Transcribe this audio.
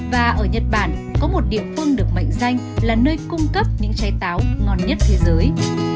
và ở nhật bản có một địa phương được mệnh danh là nơi cung cấp những trái táo ngon nhất thế giới